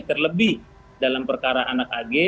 terlebih dalam perkara anak ag